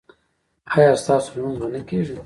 ایا ستاسو لمونځ به نه کیږي؟